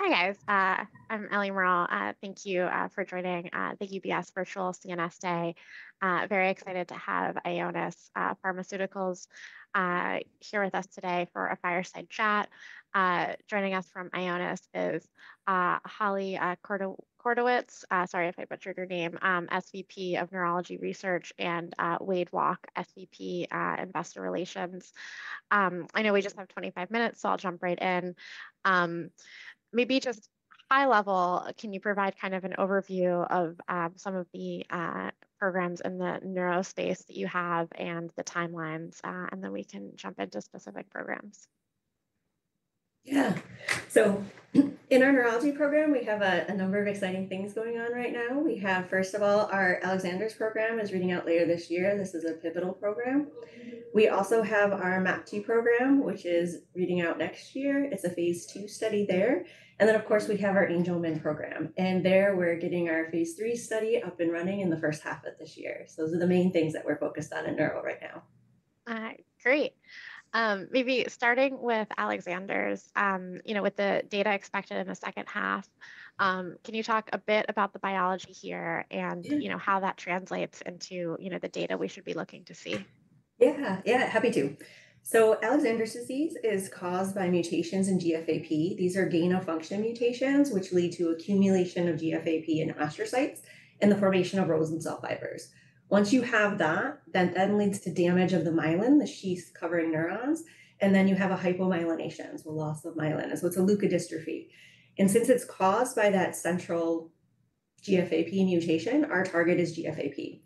Hi, guys. I'm Ellie Merle. Thank you for joining the UBS Virtual CNS Day. Very excited to have Ionis Pharmaceuticals here with us today for a fireside chat. Joining us from Ionis is Holly Kordasiewicz. Sorry if I butchered your name. SVP of Neurology Research and Wade Walke, SVP Investor Relations. I know we just have 25 minutes, so I'll jump right in. Maybe just high level, can you provide kind of an overview of some of the programs in the neuro space that you have and the timelines? Then we can jump into specific programs. Yeah. In our neurology program, we have a number of exciting things going on right now. We have, first of all, our Alexander's program is reading out later this year. This is a pivotal program. We also have our MAPT program, which is reading out next year. It is a Phase II study there. Of course, we have our Angelman program. There we are getting our Phase III study up and running in the first half of this year. Those are the main things that we are focused on in neuro right now. Great. Maybe starting with Alexander's, you know, with the data expected in the second half, can you talk a bit about the biology here and how that translates into the data we should be looking to see? Yeah, yeah, happy to. Alexander's disease is caused by mutations in GFAP. These are gain of function mutations, which lead to accumulation of GFAP in astrocytes and the formation of Rosenthal fibers. Once you have that, that leads to damage of the myelin, the sheath covering neurons, and then you have hypomyelination, so loss of myelin. It is a leukodystrophy. Since it is caused by that central GFAP mutation, our target is GFAP.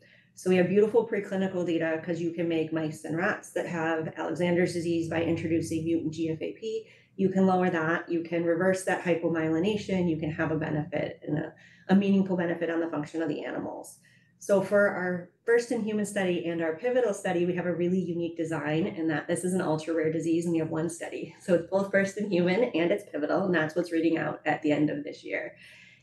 We have beautiful preclinical data because you can make mice and rats that have Alexander's disease by introducing mutant GFAP. You can lower that. You can reverse that hypomyelination. You can have a benefit and a meaningful benefit on the function of the animals. For our first in human study and our pivotal study, we have a really unique design in that this is an ultra rare disease and we have one study. It is both first in human and it is pivotal. That is what is reading out at the end of this year.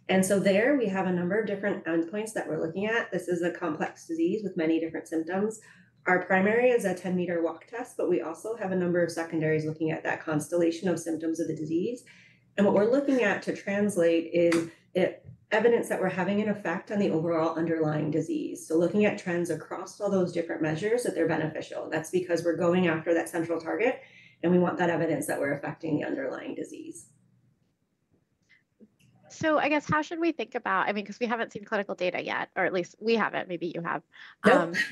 There we have a number of different endpoints that we are looking at. This is a complex disease with many different symptoms. Our primary is a 10-meter walk test, but we also have a number of secondaries looking at that constellation of symptoms of the disease. What we are looking at to translate is evidence that we are having an effect on the overall underlying disease. Looking at trends across all those different measures that they are beneficial. That is because we are going after that central target, and we want that evidence that we are affecting the underlying disease. I guess how should we think about, I mean, because we haven't seen clinical data yet, or at least we haven't. Maybe you have.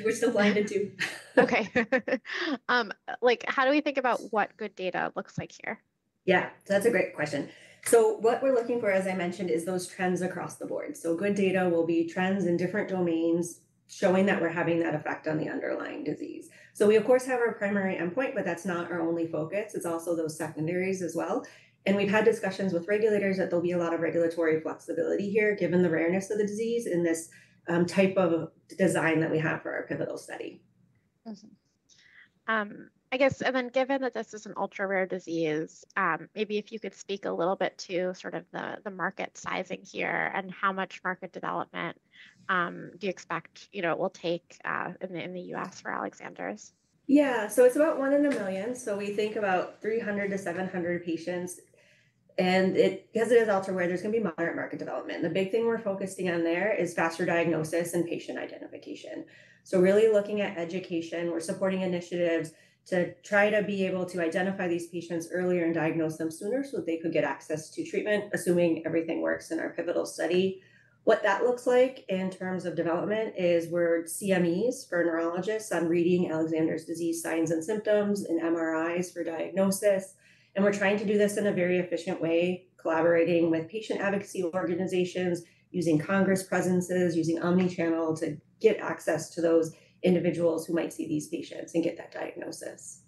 We're still blinded too. Okay. Like, how do we think about what good data looks like here? Yeah, that's a great question. What we're looking for, as I mentioned, is those trends across the board. Good data will be trends in different domains showing that we're having that effect on the underlying disease. We, of course, have our primary endpoint, but that's not our only focus. It's also those secondaries as well. We've had discussions with regulators that there will be a lot of regulatory flexibility here given the rareness of the disease in this type of design that we have for our pivotal study. Awesome. I guess, and then given that this is an ultra rare disease, maybe if you could speak a little bit to sort of the market sizing here and how much market development do you expect, you know, it will take in the U.S. for Alexander's? Yeah, so it's about one in a million. We think about 300 to 700 patients. Because it is ultra rare, there's going to be moderate market development. The big thing we're focusing on there is faster diagnosis and patient identification. Really looking at education, we're supporting initiatives to try to be able to identify these patients earlier and diagnose them sooner so that they could get access to treatment, assuming everything works in our pivotal study. What that looks like in terms of development is we're doing CMEs for neurologists on reading Alexander's disease signs and symptoms and MRIs for diagnosis. We're trying to do this in a very efficient way, collaborating with patient advocacy organizations, using Congress presences, using omnichannel to get access to those individuals who might see these patients and get that diagnosis.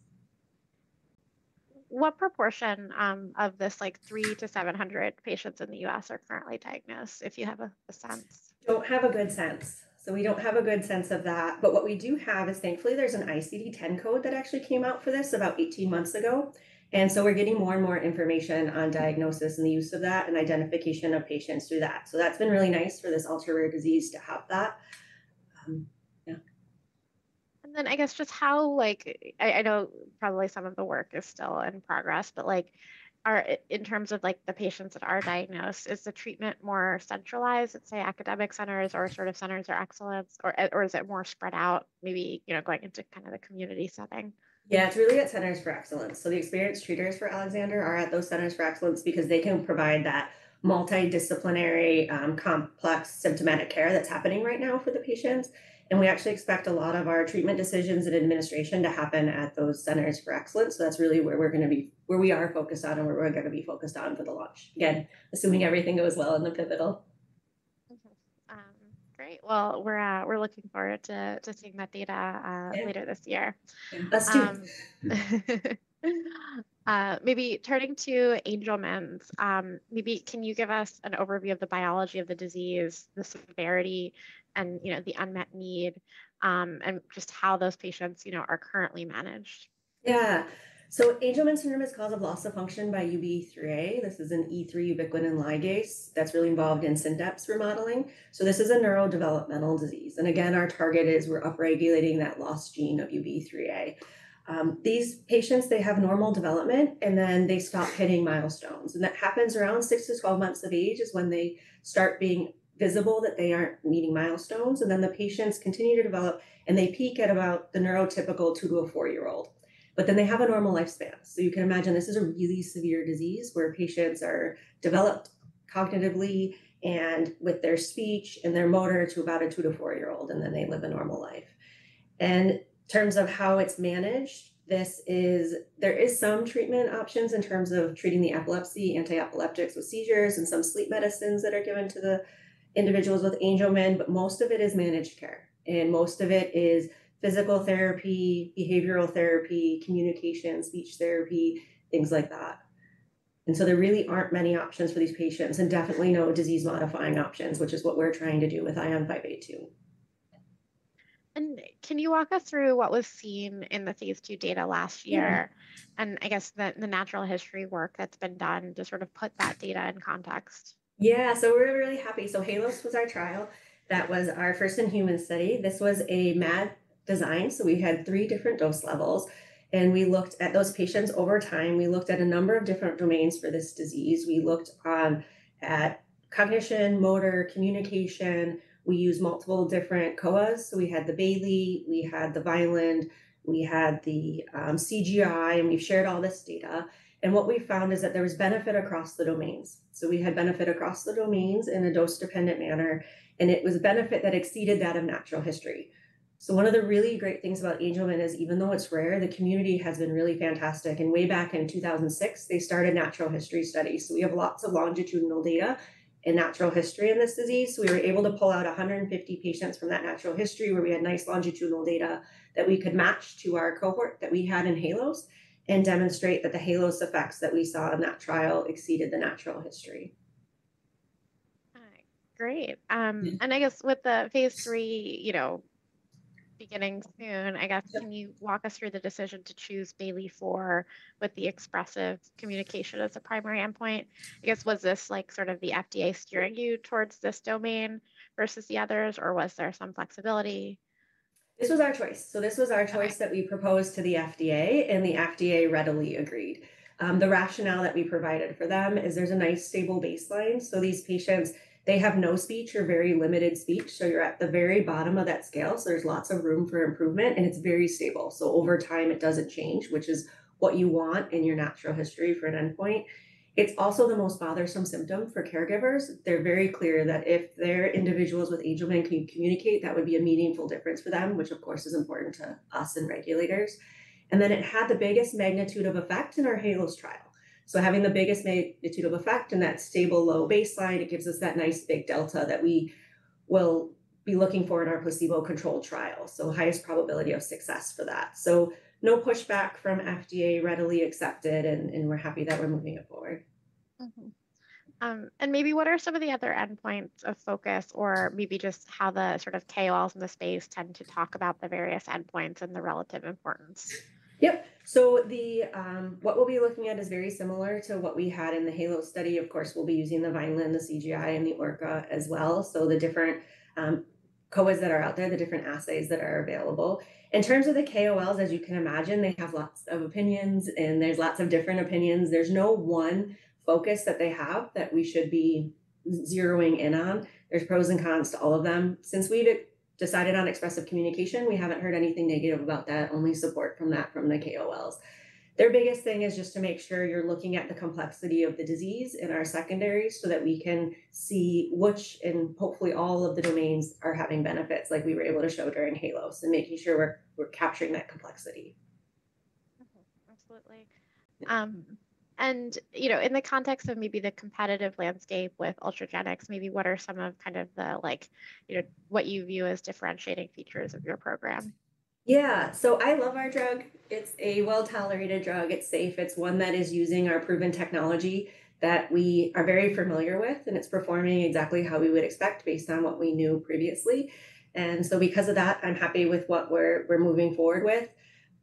What proportion of this, like, 300 to 700 patients in the U.S. are currently diagnosed, if you have a sense? We don't have a good sense of that. What we do have is, thankfully, there's an ICD-10 code that actually came out for this about 18 months ago. We are getting more and more information on diagnosis and the use of that and identification of patients through that. That has been really nice for this ultra rare disease to have. I guess just how, like, I know probably some of the work is still in progress, but like, in terms of like the patients that are diagnosed, is the treatment more centralized at, say, academic centers or sort of centers of excellence, or is it more spread out, maybe, you know, going into kind of the community setting? Yeah, it's really at centers for excellence. The experienced treaters for Alexander are at those centers for excellence because they can provide that multidisciplinary, complex symptomatic care that's happening right now for the patients. We actually expect a lot of our treatment decisions and administration to happen at those centers for excellence. That's really where we're going to be, where we are focused on and where we're going to be focused on for the launch. Again, assuming everything goes well in the pivotal. Great. We are looking forward to seeing that data later this year. Let's do it. Maybe turning to Angelman's, maybe can you give us an overview of the biology of the disease, the severity, and, you know, the unmet need, and just how those patients, you know, are currently managed? Yeah. Angelman syndrome is cause of loss of function by UBE3A. This is an E3 ubiquitin ligase that's really involved in synaptic remodeling. This is a neurodevelopmental disease. Again, our target is we're upregulating that lost gene of UBE3A. These patients, they have normal development, and then they stop hitting milestones. That happens around six to twelve months of age is when they start being visible that they aren't meeting milestones. The patients continue to develop, and they peak at about the neurotypical two to a four-year-old. They have a normal lifespan. You can imagine this is a really severe disease where patients are developed cognitively and with their speech and their motor to about a two to four-year-old, and then they live a normal life. In terms of how it's managed, there are some treatment options in terms of treating the epilepsy, anti-epileptics with seizures, and some sleep medicines that are given to the individuals with Angelman, but most of it is managed care. Most of it is physical therapy, behavioral therapy, communication, speech therapy, things like that. There really aren't many options for these patients and definitely no disease-modifying options, which is what we're trying to do with ION582. Can you walk us through what was seen in the Phase II data last year and I guess the natural history work that's been done to sort of put that data in context? Yeah, so we're really happy. HALOS was our trial. That was our first in human study. This was a MAD design. We had three different dose levels. We looked at those patients over time. We looked at a number of different domains for this disease. We looked at cognition, motor, communication. We used multiple different COAs. We had the Bayley, we had the Vineland, we had the CGI, and we've shared all this data. What we found is that there was benefit across the domains. We had benefit across the domains in a dose-dependent manner, and it was benefit that exceeded that of natural history. One of the really great things about Angelman is even though it's rare, the community has been really fantastic. Way back in 2006, they started natural history studies. We have lots of longitudinal data in natural history in this disease. We were able to pull out 150 patients from that natural history where we had nice longitudinal data that we could match to our cohort that we had in HALOS and demonstrate that the HALOS effects that we saw in that trial exceeded the natural history. Great. I guess with the Phase III, you know, beginning soon, I guess, can you walk us through the decision to choose Bayley for with the expressive communication as a primary endpoint? I guess, was this like sort of the FDA steering you towards this domain versus the others, or was there some flexibility? This was our choice. This was our choice that we proposed to the FDA, and the FDA readily agreed. The rationale that we provided for them is there's a nice stable baseline. These patients, they have no speech or very limited speech. You're at the very bottom of that scale. There's lots of room for improvement, and it's very stable. Over time, it doesn't change, which is what you want in your natural history for an endpoint. It's also the most bothersome symptom for caregivers. They're very clear that if their individuals with Angelman can communicate, that would be a meaningful difference for them, which of course is important to us and regulators. It had the biggest magnitude of effect in our HALOS trial. Having the biggest magnitude of effect and that stable low baseline, it gives us that nice big delta that we will be looking for in our placebo-controlled trial. Highest probability of success for that. No pushback from FDA, readily accepted, and we're happy that we're moving it forward. Maybe what are some of the other endpoints of focus or maybe just how the sort of KOLs in the space tend to talk about the various endpoints and the relative importance? Yep. What we'll be looking at is very similar to what we had in the HALOS study. Of course, we'll be using the Vineland, the CGI, and the ORCA as well. The different COAs that are out there, the different assays that are available. In terms of the KOLs, as you can imagine, they have lots of opinions, and there's lots of different opinions. There's no one focus that they have that we should be zeroing in on. There are pros and cons to all of them. Since we've decided on expressive communication, we haven't heard anything negative about that, only support from that from the KOLs. Their biggest thing is just to make sure you're looking at the complexity of the disease in our secondary so that we can see which and hopefully all of the domains are having benefits like we were able to show during HALOS and making sure we're capturing that complexity. Absolutely. You know, in the context of maybe the competitive landscape with Ultragenyx, maybe what are some of kind of the, like, you know, what you view as differentiating features of your program? Yeah, so I love our drug. It's a well-tolerated drug. It's safe. It's one that is using our proven technology that we are very familiar with, and it's performing exactly how we would expect based on what we knew previously. Because of that, I'm happy with what we're moving forward with.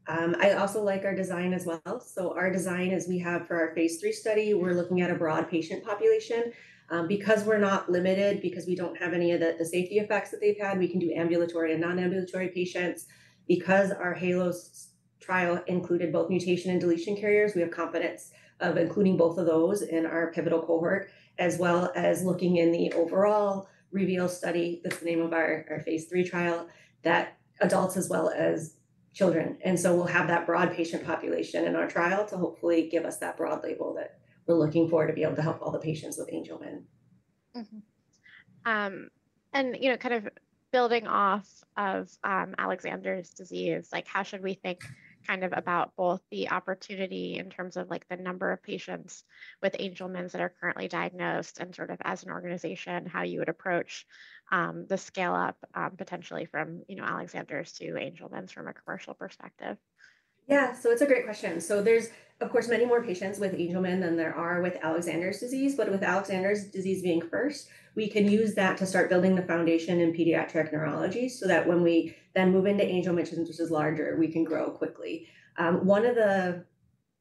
I also like our design as well. Our design is we have for our Phase III study, we're looking at a broad patient population. Because we're not limited, because we don't have any of the safety effects that they've had, we can do ambulatory and non-ambulatory patients. Because our HALOS trial included both mutation and deletion carriers, we have confidence of including both of those in our pivotal cohort, as well as looking in the overall REVEAL study. That's the name of our Phase III trial, that adults as well as children. We will have that broad patient population in our trial to hopefully give us that broad label that we're looking for to be able to help all the patients with Angelman. You know, kind of building off of Alexander's disease, like, how should we think kind of about both the opportunity in terms of like the number of patients with Angelman’s that are currently diagnosed and sort of as an organization, how you would approach the scale-up potentially from, you know, Alexander’s to Angelman’s from a commercial perspective? Yeah, so it's a great question. There's, of course, many more patients with Angelman than there are with Alexander's disease, but with Alexander's disease being first, we can use that to start building the foundation in pediatric neurology so that when we then move into Angelman, which is larger, we can grow quickly. One of the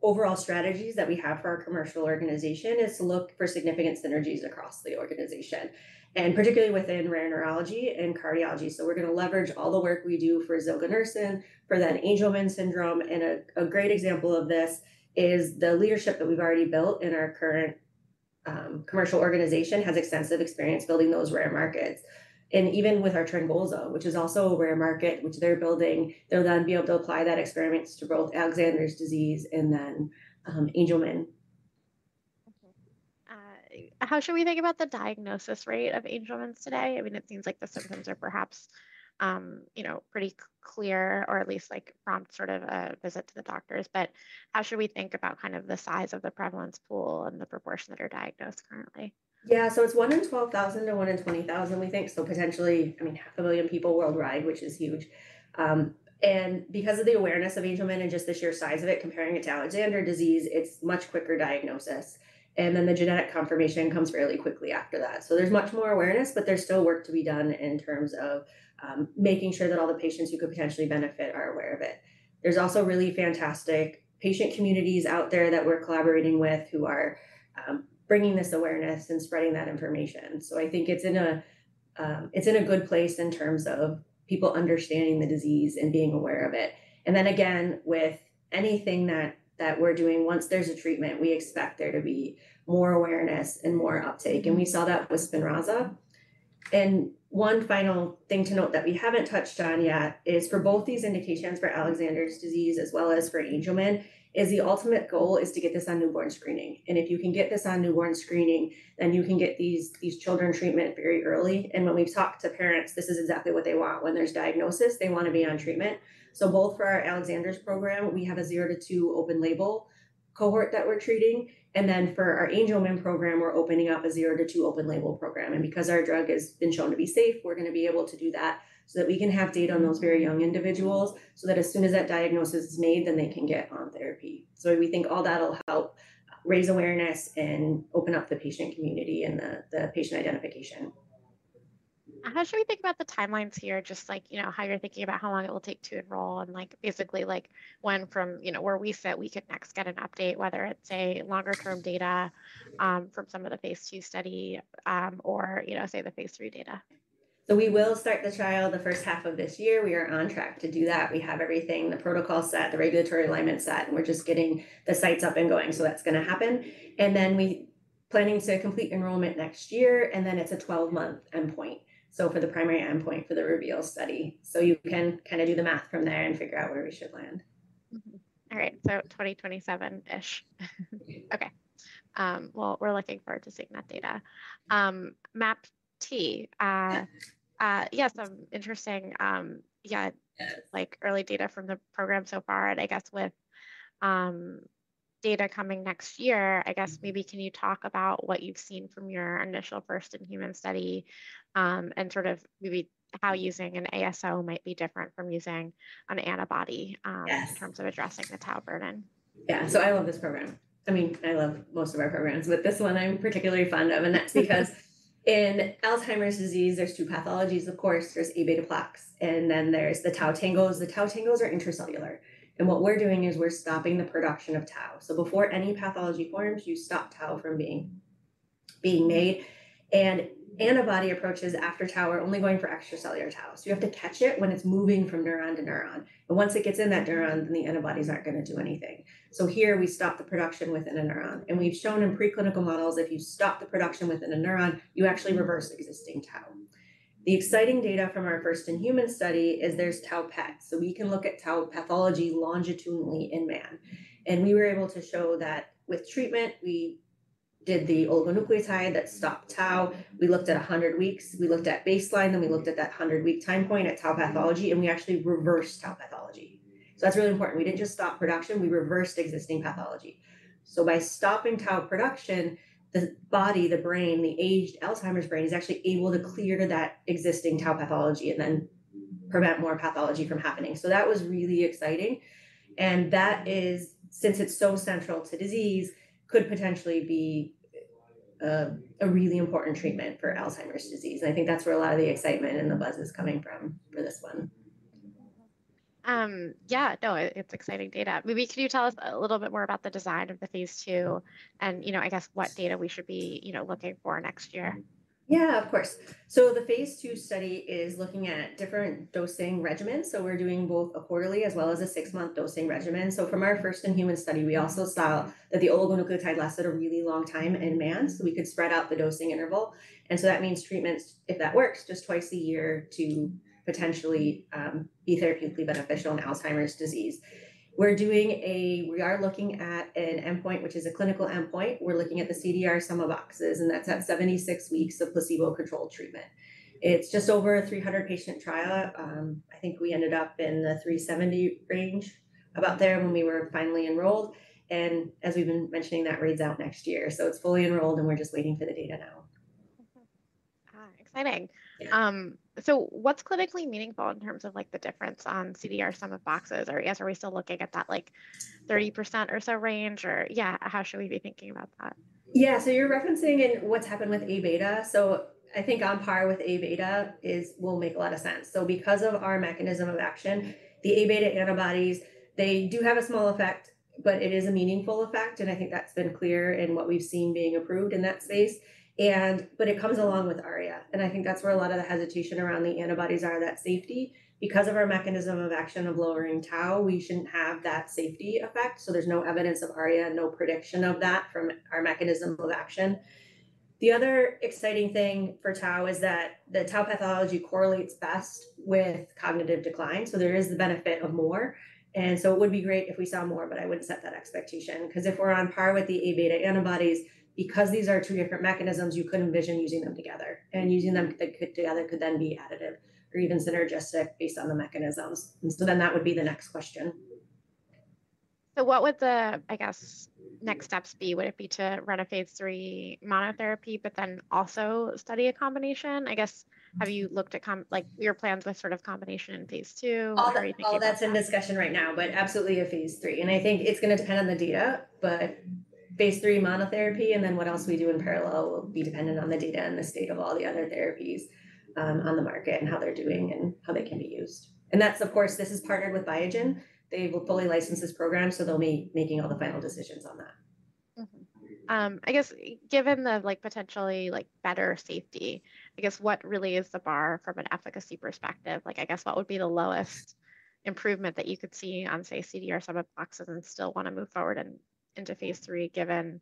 overall strategies that we have for our commercial organization is to look for significant synergies across the organization, and particularly within rare neurology and cardiology. We're going to leverage all the work we do for zilganersen, for then Angelman syndrome. A great example of this is the leadership that we've already built in our current commercial organization has extensive experience building those rare markets. Even with our TRYNGOLZA, which is also a rare market, which they are building, they will then be able to apply that experience to both Alexander disease and then Angelman. How should we think about the diagnosis rate of Angelman's today? I mean, it seems like the symptoms are perhaps, you know, pretty clear or at least like prompt sort of a visit to the doctors. How should we think about kind of the size of the prevalence pool and the proportion that are diagnosed currently? Yeah, so it's one in 12,000 to one in 20,000, we think. So potentially, I mean, 500,000 people worldwide, which is huge. And because of the awareness of Angelman and just the sheer size of it, comparing it to Alexander disease, it's much quicker diagnosis. And then the genetic confirmation comes fairly quickly after that. So there's much more awareness, but there's still work to be done in terms of making sure that all the patients who could potentially benefit are aware of it. There's also really fantastic patient communities out there that we're collaborating with who are bringing this awareness and spreading that information. So I think it's in a good place in terms of people understanding the disease and being aware of it. And then again, with anything that we're doing, once there's a treatment, we expect there to be more awareness and more uptake. We saw that with SPINRAZA. One final thing to note that we have not touched on yet is for both these indications for Alexander disease as well as for Angelman, the ultimate goal is to get this on newborn screening. If you can get this on newborn screening, then you can get these children treatment very early. When we have talked to parents, this is exactly what they want. When there is diagnosis, they want to be on treatment. Both for our Alexander's program, we have a zero to two open label cohort that we are treating. For our Angelman program, we are opening up a zero to two open label program. Because our drug has been shown to be safe, we're going to be able to do that so that we can have data on those very young individuals so that as soon as that diagnosis is made, then they can get on therapy. We think all that will help raise awareness and open up the patient community and the patient identification. How should we think about the timelines here, just like, you know, how you're thinking about how long it will take to enroll and like basically like when from, you know, where we said we could next get an update, whether it's a longer-term data from some of the Phase II study or, you know, say the Phase III data? We will start the trial the first half of this year. We are on track to do that. We have everything, the protocol set, the regulatory alignment set, and we're just getting the sites up and going. That's going to happen. We are planning to complete enrollment next year, and then it's a 12-month endpoint for the primary endpoint for the REVEAL study. You can kind of do the math from there and figure out where we should land. All right. 2027-ish. Okay. We're looking forward to seeing that data. MAPT, yes, I'm interesting. Yeah, like early data from the program so far. I guess with data coming next year, I guess maybe can you talk about what you've seen from your initial first in human study and sort of maybe how using an ASO might be different from using an antibody in terms of addressing the tau burden? Yeah, so I love this program. I mean, I love most of our programs, but this one I'm particularly fond of. That's because in Alzheimer's disease, there's two pathologies, of course. There's Aβ plaques, and then there's the tau tangles. The tau tangles are intracellular. What we're doing is we're stopping the production of tau. Before any pathology forms, you stop tau from being made. Antibody approaches after tau are only going for extracellular tau. You have to catch it when it's moving from neuron to neuron. Once it gets in that neuron, then the antibodies aren't going to do anything. Here we stop the production within a neuron. We've shown in preclinical models, if you stop the production within a neuron, you actually reverse existing tau. The exciting data from our first in human study is there's tau PET. We can look at tau pathology longitudinally in man. We were able to show that with treatment, we did the oligonucleotide that stopped tau. We looked at 100 weeks. We looked at baseline, then we looked at that 100-week time point at tau pathology, and we actually reversed tau pathology. That is really important. We did not just stop production. We reversed existing pathology. By stopping tau production, the body, the brain, the aged Alzheimer's brain is actually able to clear that existing tau pathology and then prevent more pathology from happening. That was really exciting. That is, since it is so central to disease, could potentially be a really important treatment for Alzheimer's disease. I think that is where a lot of the excitement and the buzz is coming from for this one. Yeah, no, it's exciting data. Maybe can you tell us a little bit more about the design of the Phase II and, you know, I guess what data we should be, you know, looking for next year? Yeah, of course. The Phase II study is looking at different dosing regimens. We are doing both a quarterly as well as a six-month dosing regimen. From our first in human study, we also saw that the oligonucleotide lasted a really long time in man. We could spread out the dosing interval. That means treatments, if that works, just twice a year to potentially be therapeutically beneficial in Alzheimer's disease. We are looking at an endpoint, which is a clinical endpoint. We are looking at the CDR sum of boxes, and that is at 76 weeks of placebo-controlled treatment. It is just over a 300-patient trial. I think we ended up in the 370 range, about there when we were finally enrolled. As we have been mentioning, that reads out next year. It is fully enrolled, and we are just waiting for the data now. Exciting. What's clinically meaningful in terms of like the difference on CDR sum of boxes? Or yes, are we still looking at that like 30% or so range? Or yeah, how should we be thinking about that? Yeah, so you're referencing in what's happened with Aβ. I think on par with Aβ will make a lot of sense. Because of our mechanism of action, the Aβ antibodies, they do have a small effect, but it is a meaningful effect. I think that's been clear in what we've seen being approved in that space. It comes along with ARIA. I think that's where a lot of the hesitation around the antibodies are, that safety. Because of our mechanism of action of lowering tau, we shouldn't have that safety effect. There's no evidence of ARIA and no prediction of that from our mechanism of action. The other exciting thing for tau is that the tau pathology correlates best with cognitive decline. There is the benefit of more. It would be great if we saw more, but I wouldn't set that expectation. If we're on par with the Aβ antibodies, because these are two different mechanisms, you could envision using them together. Using them together could then be additive or even synergistic based on the mechanisms. That would be the next question. What would the, I guess, next steps be? Would it be to run a Phase III monotherapy, but then also study a combination? I guess, have you looked at like your plans with sort of combination in Phase II? That's in discussion right now, but absolutely a Phase III. I think it's going to depend on the data, but Phase III monotherapy and then what else we do in parallel will be dependent on the data and the state of all the other therapies on the market and how they're doing and how they can be used. Of course, this is partnered with Biogen. They will fully license this program, so they'll be making all the final decisions on that. I guess given the like potentially like better safety, I guess what really is the bar from an efficacy perspective? Like I guess what would be the lowest improvement that you could see on, say, CDR sum of boxes and still want to move forward into Phase III given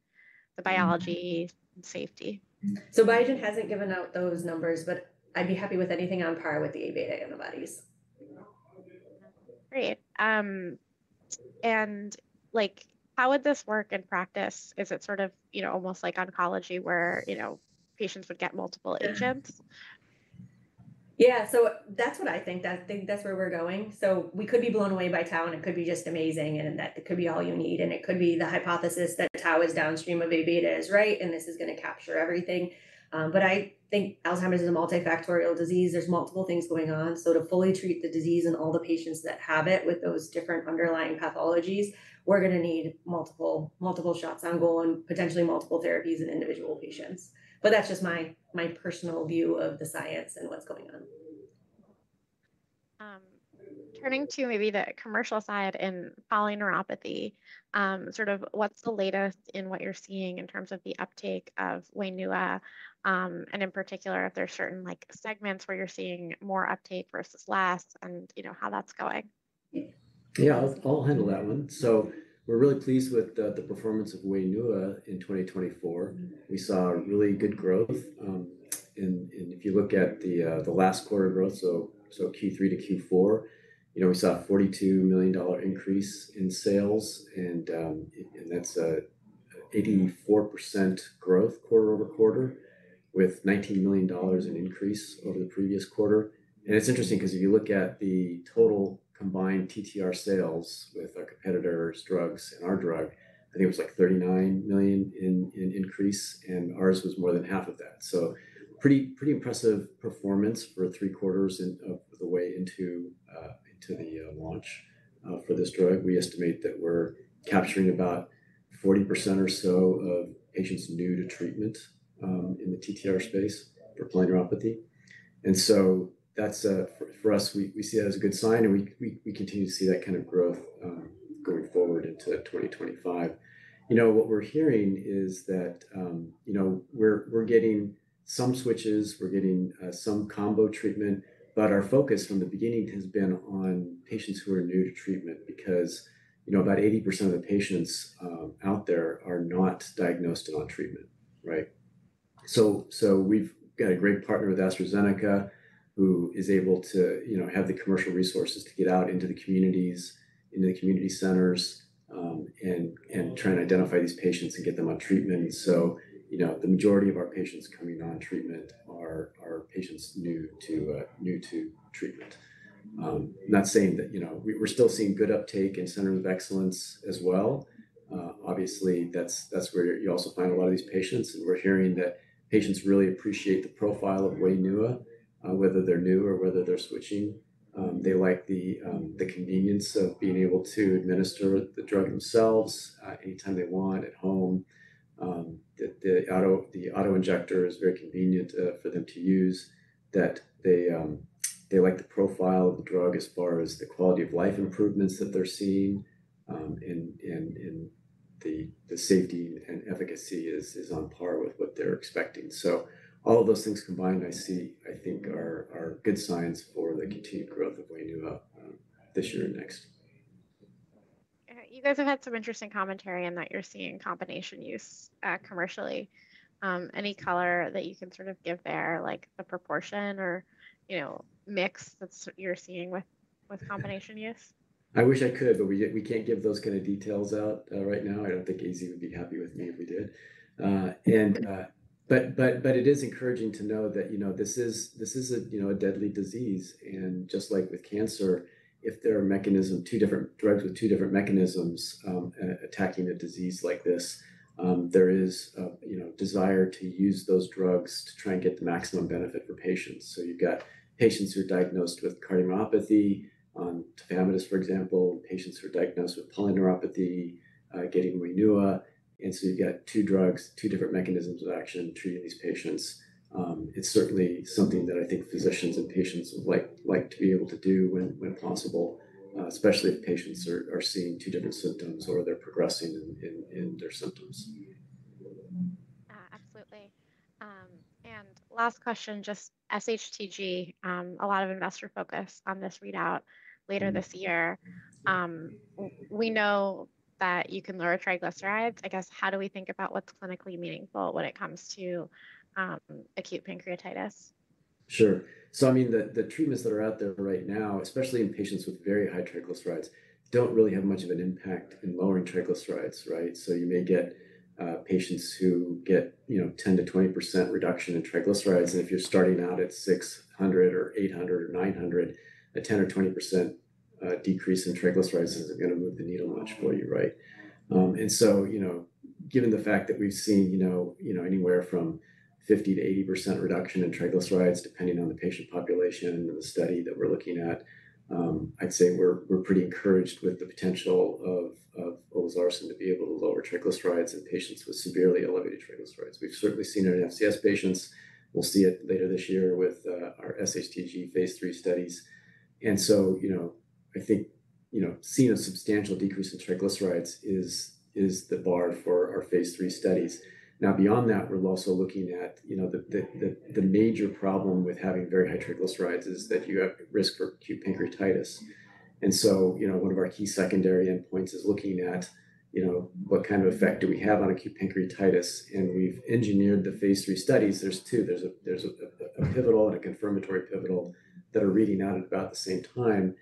the biology safety? Biogen hasn't given out those numbers, but I'd be happy with anything on par with the Aβ antibodies. Great. Like how would this work in practice? Is it sort of, you know, almost like oncology where, you know, patients would get multiple agents? Yeah, so that's what I think. I think that's where we're going. We could be blown away by tau and it could be just amazing and that it could be all you need. It could be the hypothesis that tau is downstream of Aβ is right and this is going to capture everything. I think Alzheimer's is a multifactorial disease. There are multiple things going on. To fully treat the disease and all the patients that have it with those different underlying pathologies, we're going to need multiple shots on goal and potentially multiple therapies in individual patients. That's just my personal view of the science and what's going on. Turning to maybe the commercial side in polyneuropathy, sort of what's the latest in what you're seeing in terms of the uptake of WAINUA and in particular if there's certain like segments where you're seeing more uptake versus less and, you know, how that's going? Yeah, I'll handle that one. We’re really pleased with the performance of WAINUA in 2024. We saw really good growth. If you look at the last quarter growth, so Q3 to Q4, you know, we saw a $42 million increase in sales. That’s an 84% growth quarter-over-quarter with $19 million in increase over the previous quarter. It’s interesting because if you look at the total combined TTR sales with our competitors’ drugs and our drug, I think it was like $39 million in increase. Ours was more than half of that. Pretty impressive performance for three quarters of the way into the launch for this drug. We estimate that we’re capturing about 40% or so of patients new to treatment in the TTR space for polyneuropathy. For us, we see that as a good sign. We continue to see that kind of growth going forward into 2025. You know, what we're hearing is that, you know, we're getting some switches. We're getting some combo treatment. Our focus from the beginning has been on patients who are new to treatment because, you know, about 80% of the patients out there are not diagnosed and on treatment, right? We have a great partner with AstraZeneca who is able to, you know, have the commercial resources to get out into the communities, into the community centers and try and identify these patients and get them on treatment. The majority of our patients coming on treatment are patients new to treatment. Not saying that, you know, we're still seeing good uptake in centers of excellence as well. Obviously, that's where you also find a lot of these patients. We're hearing that patients really appreciate the profile of WAINUA, whether they're new or whether they're switching. They like the convenience of being able to administer the drug themselves anytime they want at home. The auto injector is very convenient for them to use. They like the profile of the drug as far as the quality of life improvements that they're seeing. The safety and efficacy is on par with what they're expecting. All of those things combined, I think, are good signs for the continued growth of WAINUA this year and next. You guys have had some interesting commentary in that you're seeing combination use commercially. Any color that you can sort of give there, like the proportion or, you know, mix that you're seeing with combination use? I wish I could, but we can't give those kind of details out right now. I don't think AZ would be happy with me if we did. It is encouraging to know that, you know, this is a deadly disease. Just like with cancer, if there are two different drugs with two different mechanisms attacking a disease like this, there is a desire to use those drugs to try and get the maximum benefit for patients. You've got patients who are diagnosed with cardiomyopathy on tafamidis, for example, patients who are diagnosed with polyneuropathy getting WAINUA. You've got two drugs, two different mechanisms of action treating these patients. It's certainly something that I think physicians and patients would like to be able to do when possible, especially if patients are seeing two different symptoms or they're progressing in their symptoms. Absolutely. Last question, just sHTG. A lot of investor focus on this readout later this year. We know that you can lower triglycerides. I guess, how do we think about what's clinically meaningful when it comes to acute pancreatitis? Sure. I mean, the treatments that are out there right now, especially in patients with very high triglycerides, don't really have much of an impact in lowering triglycerides, right? You may get patients who get, you know, 10-20% reduction in triglycerides. If you're starting out at 600 or 800 or 900, a 10-20% decrease in triglycerides isn't going to move the needle much for you, right? You know, given the fact that we've seen, you know, anywhere from 50-80% reduction in triglycerides, depending on the patient population and the study that we're looking at, I'd say we're pretty encouraged with the potential of olezarsen to be able to lower triglycerides in patients with severely elevated triglycerides. We've certainly seen it in FCS patients. We'll see it later this year with our sHTG Phase III studies. You know, I think, you know, seeing a substantial decrease in triglycerides is the bar for our Phase III studies. Now, beyond that, we're also looking at, you know, the major problem with having very high triglycerides is that you have risk for acute pancreatitis. You know, one of our key secondary endpoints is looking at, you know, what kind of effect do we have on acute pancreatitis? We've engineered the Phase III studies. There are two. There is a pivotal and a confirmatory pivotal that are reading out at about the same time.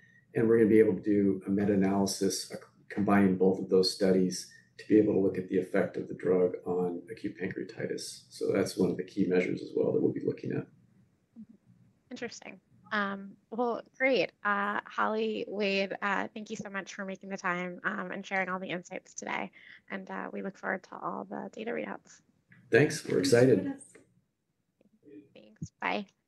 We're going to be able to do a meta-analysis combining both of those studies to be able to look at the effect of the drug on acute pancreatitis. That is one of the key measures as well that we'll be looking at. Interesting. Great. Holly, Wade, thank you so much for making the time and sharing all the insights today. We look forward to all the data readouts. Thanks. We're excited. Thanks. Bye.